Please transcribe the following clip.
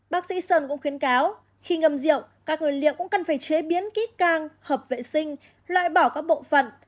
bác sĩ sơn cũng khuyến cáo khi ngâm rượu các nguyên liệu cũng cần phải chế biến kỹ càng hợp vệ sinh loại bỏ các bộ phận